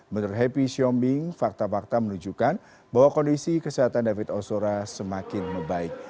menurut happy xiombing fakta fakta menunjukkan bahwa kondisi kesehatan david ozora semakin membaik